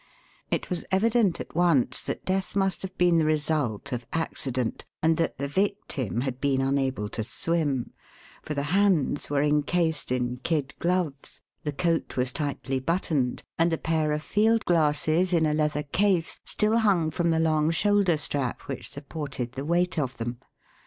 It was evident at once that death must have been the result of accident, and that the victim had been unable to swim, for the hands were encased in kid gloves, the coat was tightly buttoned, and a pair of field glasses in a leather case still hung from the long shoulder strap which supported the weight of them.